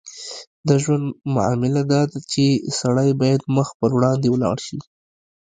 د ژوند معامله داده چې سړی باید مخ پر وړاندې ولاړ شي.